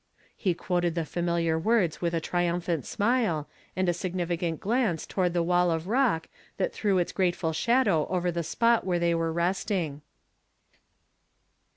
'" lie quoted the familiar Avords with a triumi)liant smile, and a significant glance toward 1' e wall of i ock that threw its grateful shadow over the spot where they were resting.